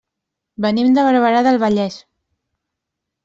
Venim de Barberà del Vallès.